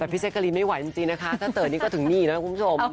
แต่พี่เซ็กกะลินไม่ไหวจริงนะคะถ้าเติร์ดนี้ก็ถึงนี่นะคุณผู้ชม